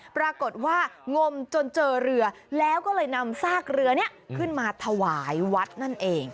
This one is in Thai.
ปรากฏว่างมจนเจอเรือแล้วก็เลยนำซากเรือนี้ขึ้นมาถวายวัดนั่นเอง